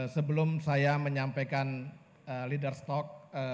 sebelum saya menyampaikan leaders talk